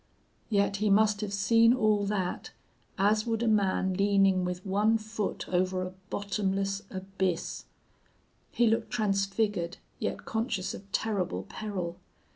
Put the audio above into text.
Yet he must have seen all that, as would a man leaning with one foot over a bottomless abyss. He looked transfigured, yet conscious of terrible peril.